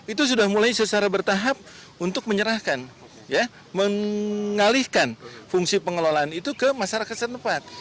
itu sudah mulai secara bertahap untuk menyerahkan mengalihkan fungsi pengelolaan itu ke masyarakat setempat